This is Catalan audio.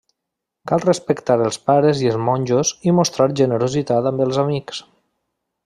Cal respectar els pares i els monjos i mostrar generositat amb els amics.